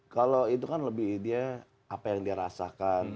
kalau itu kan lebih dia apa yang dia rasakan